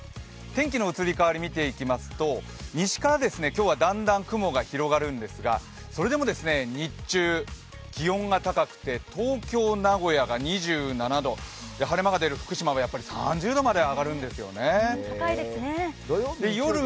天気の移り変わり見ていきますと西から今日はだんだん雲が広がるんですがそれでも日中、気温が高くて東京、名古屋が２７度晴れ間が出る福島は３０度まで上がるんですよね。